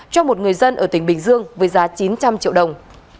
cho một người dân ở tỉnh bình dương với giá chín trăm linh triệu đồng